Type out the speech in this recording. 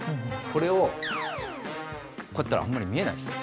これをこうやったらあんまり見えないでしょ。